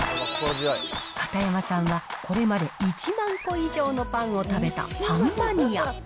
片山さんは、これまで１万個以上のパンを食べたパンマニア。